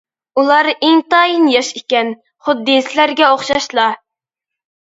ئۇلار ئىنتايىن ياش ئىكەن، خۇددى سىلەرگە ئوخشاشلا.